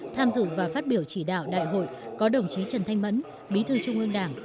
tham dự và phát biểu chỉ đạo đại hội có đồng chí trần thanh mẫn bí thư trung ương đảng